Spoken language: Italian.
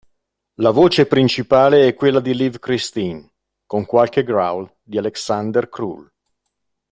La voce principale è quella di Liv Kristine, con qualche growl di Alexander Krull.